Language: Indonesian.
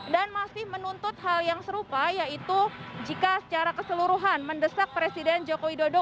masih menuntut hal yang serupa yaitu jika secara keseluruhan mendesak presiden joko widodo